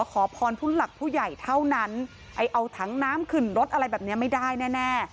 ขอพรผู้หลักผู้ใหญ่เท่านั้นไอ้เอาถังน้ำขึ้นรถอะไรแบบนี้ไม่ได้แน่